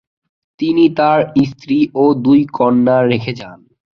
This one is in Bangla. তিনি তার স্ত্রী ও দুই কন্যা রেখে যান।